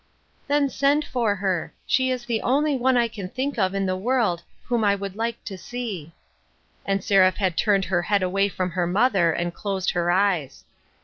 " Then send for her ; she is the only one I can think of in the world whom I would like to see." And Seraph had turned her head away from her mother, and closed her eyes.